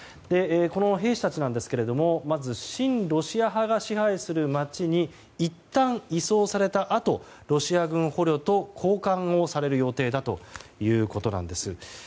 この兵士たちですけどまず、親ロシア派が支配する街にいったん移送されたあとロシア軍捕虜と交換をされる予定だということなんです。